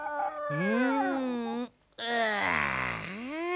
うん。